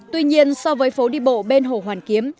tuy nhiên so với phố đi bộ bên hồ hoàn kiếm